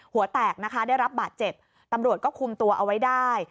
หัวแตกนะคะได้รับบาดเจ็บตำรวจก็คุมตัวเอาไว้ได้